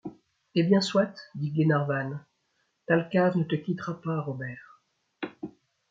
Eh bien soit ! dit Glenarvan, Thalcave ne te quittera pas, Robert !